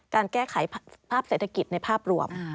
การแก้ไขภาพเศรษฐกิจในภาพรวม